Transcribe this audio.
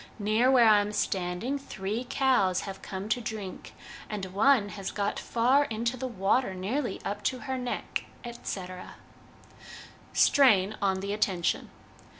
Near where I am standing three cows have come to drink, and one has got far into the water, nearly up to her neck,' etc. Strain on the Attention.